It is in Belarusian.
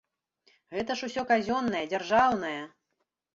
Гэта ж усё казённае, дзяржаўнае!